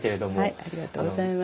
ありがとうございます。